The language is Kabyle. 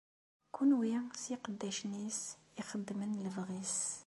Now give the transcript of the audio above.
Kunwi s yiqeddacen-is, ixeddmen lebɣi-s!